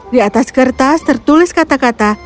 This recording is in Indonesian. di atas kertas tertulis kata kata